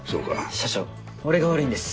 社長俺が悪いんです！